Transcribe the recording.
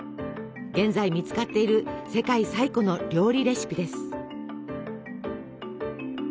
現在見つかっている世界最古の料理レシピです。